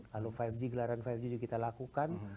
lalu lima g gelaran lima g juga kita lakukan